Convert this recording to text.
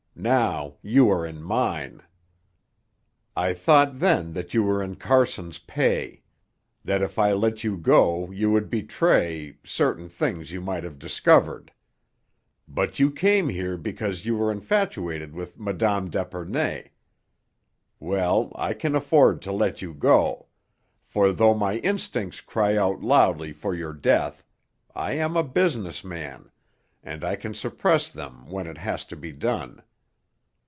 Now you are in mine. "I thought then that you were in Carson's pay. That if I let you go you would betray certain things you might have discovered. But you came here because you were infatuated with Mme. d'Epernay. Well, I can afford to let you go; for, though my instincts cry out loudly for your death, I am a business man, and I can suppress them when it has to be done.